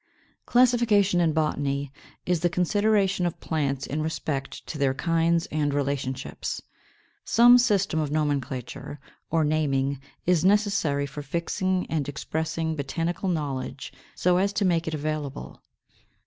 519. Classification, in botany, is the consideration of plants in respect to their kinds and relationships. Some system of Nomenclature, or naming, is necessary for fixing and expressing botanical knowledge so as to make it available.